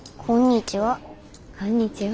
こんにちは。